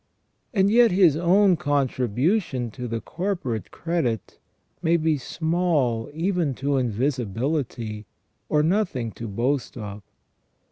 And yet his own contribution to the corporate credit may be small even to invisibility, or nothing to boast of.